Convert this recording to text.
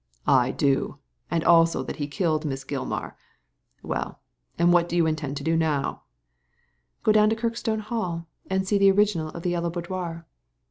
^I do; and also that he killed Miss Gilmar. Well, and what do you intend to do now ?"Go down to Kirkstone Hall and see the original of the Yellow Boudoir."